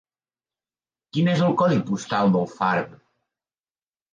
Quin és el codi postal d'Alfarb?